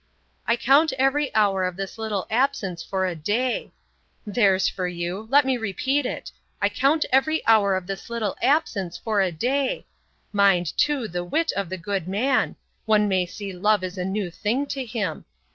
'—I count every hour of this little absence for a day!—'There's for you! Let me repeat it'—I count every hour of this little absence for a day!—'Mind, too, the wit of the good man! One may see love is a new thing to him.